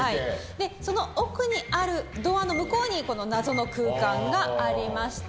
でその奥にあるドアの向こうにこの謎の空間がありまして。